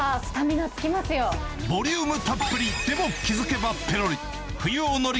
ボリュームたっぷり、でも気付けばぺろり。